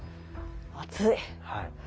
暑い。